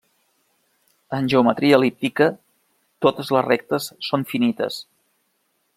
En geometria el·líptica, totes les rectes són finites.